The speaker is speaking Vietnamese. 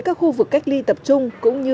các khu vực cách ly tập trung cũng như